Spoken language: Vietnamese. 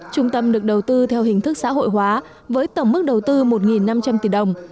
trung tâm được đầu tư theo hình thức xã hội hóa với tổng mức đầu tư một năm trăm linh tỷ đồng